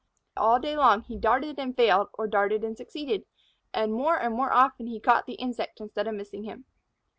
All day long he darted and failed or darted and succeeded, and more and more often he caught the insect instead of missing him.